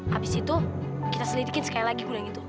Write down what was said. habis itu kita selidikin sekali lagi gudang itu